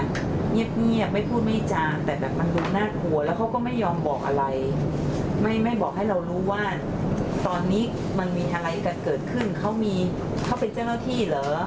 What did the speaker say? เงียบไม่พูดไม่จาแต่แบบมันดูน่ากลัวแล้วเขาก็ไม่ยอมบอกอะไรไม่ไม่บอกให้เรารู้ว่าตอนนี้มันมีอะไรกันเกิดขึ้นเขามีเขาเป็นเจ้าหน้าที่เหรอ